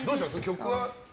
曲は。